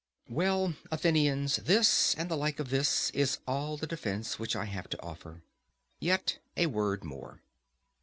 Well, Athenians, this and the like of this is all the defence which I have to offer. Yet a word more.